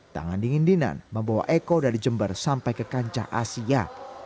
tangan dingin dinan membawa eko dari jember sampai ke kancah asia